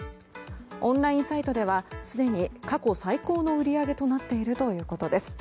オンラインサイトではすでに過去最高の売り上げとなっているということです。